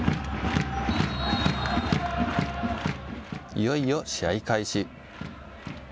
いよいよ試合開始。